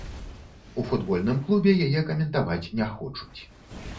У футбольным клубе яе каментаваць не хочуць.